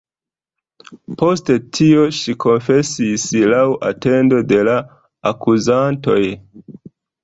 Post tio ŝi konfesis laŭ atendo de la akuzantoj.